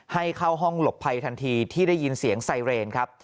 ให้เข้าห้องหลบภัยทันทีที่ได้ยินเสียงไซเรนครับ